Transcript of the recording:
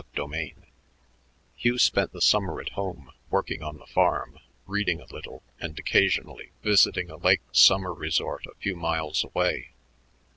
CHAPTER XIV Hugh spent the summer at home, working on the farm, reading a little, and occasionally visiting a lake summer resort a few miles away.